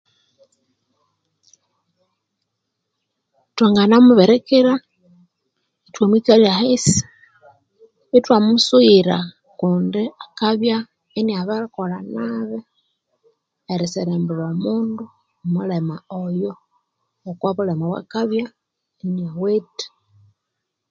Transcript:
Thwa ngana mubirikira ithwa mwikalya ahasi ithwamusughira kundi akabya iniabirikolha nabi eriserembulha omundu mulema oyo Kwa bulema obwakabya iniawithe.